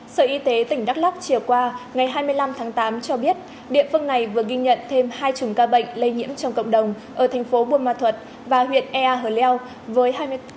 sở y tế tỉnh đắk lắc trìa qua ngày hai mươi năm tháng tám cho biết địa phương này vừa ghi nhận thêm hai chùng ca bệnh lây nhiễm trong cộng đồng ở thành phố bù ma thuột và huyện ea hờ leo với hai mươi